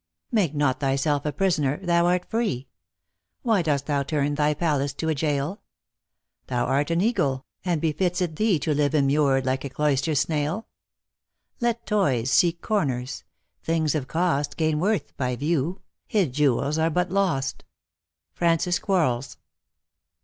Make not thyself a prisoner, thou art free : "Why dost thou turn thy palace to a jail? Thou art an eagle ; and befits it thee To live immured like a cloister d snail? Let toys seek corners : things of cost Gain worth by view ; hid jewels are but lost. FRANCIS QUARLES.